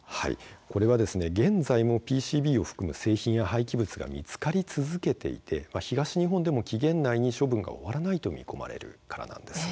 これは現在もＰＣＢを含む製品や廃棄物が見つかり続けていて東日本でも期限内に処分が終わらないと見込まれているためです。